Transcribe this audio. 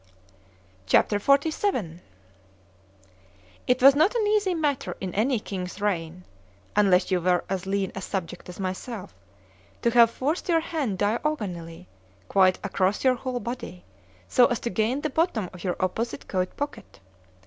C H A P. XLVII IT was not an easy matter in any king's reign (unless you were as lean a subject as myself) to have forced your hand diagonally, quite across your whole body, so as to gain the bottom of your opposite coat pocket.